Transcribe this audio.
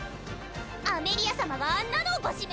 アメリア様があんなのをご指名！？